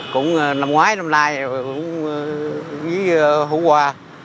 cũng năm ngoái năm nay cũng hổ qua